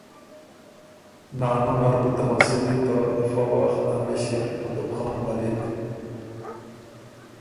نانو نر بُو ته مسُودی ته فۀ وخت ا مِݭِر قطب خان ملِک